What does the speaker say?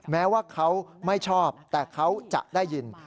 แม้ว่าเขาไม่ชอบแต่เขาจะได้ยิน